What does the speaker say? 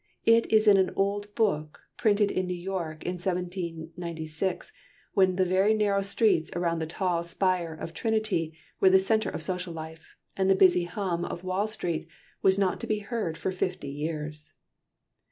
It is in an old book, printed in New York in 1796, when the narrow streets around the tall spire of Trinity were the centre of social life, and the busy hum of Wall Street was not to be heard for fifty years!